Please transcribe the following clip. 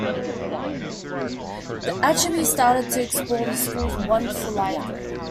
Achebe started to explore the school's "wonderful library".